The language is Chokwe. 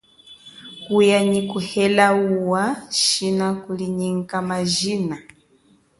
Kuya nyi kuhela uwa, shina kulinyika majina.